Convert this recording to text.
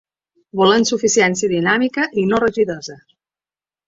Volem suficiència dinàmica i no rigidesa.